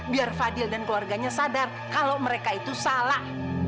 biar fadil dan keluarganya sadar kalau mereka itu salah